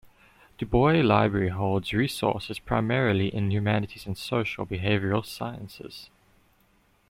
Du Bois Library holds resources primarily in humanities and social and behavioral sciences.